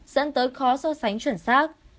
dẫn tới khó so sánh chuẩn xác